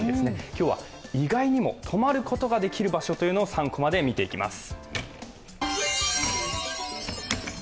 今日は意外にも泊まることができる場所を「３コマ」で見ていきます。